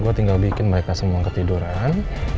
gue tinggal bikin mereka semua ketiduran